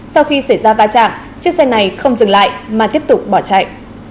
sau khi xảy ra va chạm chiếc xe này không dừng lại mà tiếp tục bỏ chạy